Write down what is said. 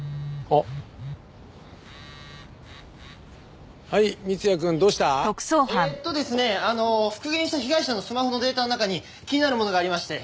えっとですね復元した被害者のスマホのデータの中に気になるものがありまして。